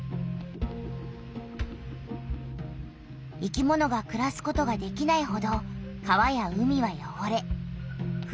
生きものがくらすことができないほど川や海はよごれふ